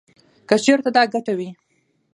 کـه چـېرتـه دا ګـټـه وې.